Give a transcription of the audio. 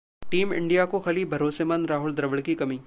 team India को खली भरोसेमंद राहुल द्रविड़ की कमी